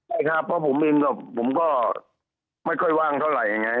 ใช่ครับเพราะผมเองกับผมก็ไม่ค่อยว่างเท่าไหร่ไง